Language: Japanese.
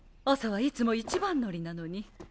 朝はいつも一番乗りなのに。